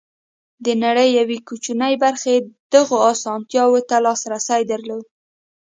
د نړۍ یوې کوچنۍ برخې دغو اسانتیاوو ته لاسرسی درلود.